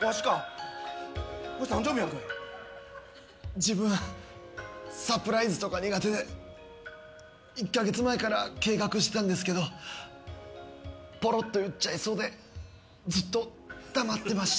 自分サプライズとか苦手で１カ月前から計画してたんですけどポロッと言っちゃいそうでずっと黙ってました。